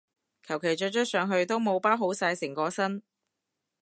求其着咗上去都冇包好晒成個身